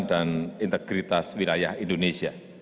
dan kesehatan indonesia papua new guinea